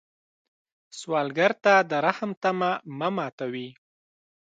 سوالګر ته د رحم تمه مه ماتوي